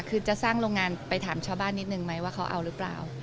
คือจะสร้างโรงงานไปถามชาวบ้านนิดนึงไหมว่าเขาเอาหรือเปล่า